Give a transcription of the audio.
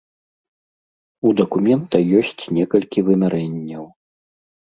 У дакумента ёсць некалькі вымярэнняў.